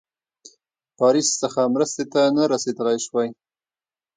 پاریس څخه مرستي ته نه رسېدلای سوای.